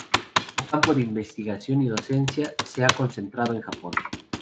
Su campo de investigación y docencia se han concentrado en Japón.